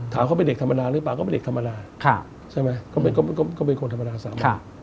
ถามเขาเป็นเด็กธรรมดาหรือเปล่าก็เป็นเด็กธรรมดาใช่ไหมก็เป็นคนธรรมดาซ้ำ